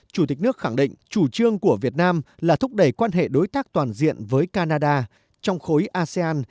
chủ tịch nước khẳng định chủ trương của việt nam là thúc đẩy quan hệ đối tác toàn diện với canada trong khối asean